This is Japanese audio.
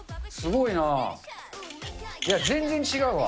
いや、全然違うわ。